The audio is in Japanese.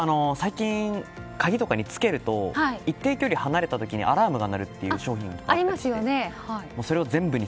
鍵とかにつけると一定程度離れるとアラームが鳴るという商品がありますよね。